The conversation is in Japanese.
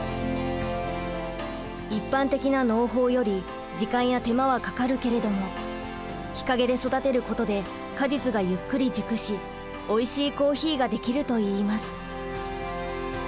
一般的な農法より時間や手間はかかるけれども日陰で育てることで果実がゆっくり熟しおいしいコーヒーが出来るといいます。